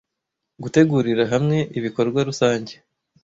gutegurira hamwe ibikorwa rusange